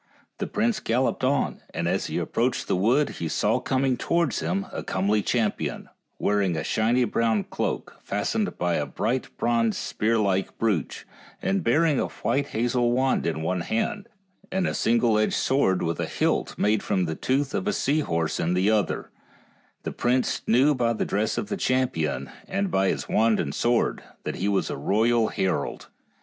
The prince galloped on, and as he approached the wood he saw roming towards him a comely champion, wearing a shining brown cloak, fas tened by a briglil bronze sp<>;ir like brooch, and 52 FAIRY TALES bearing a white hazel wand in one hand, and a single edged sword with a hilt made from the tooth of a sea horse in the other ; 5 and the prince knew by the dress of the champion, and by his wand and sword, that he was a royal herald.